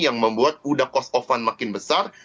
yang membuat udah cost of fun makin besar